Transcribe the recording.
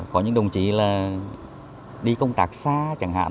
có những đồng chí là đi công tác xa chẳng hạn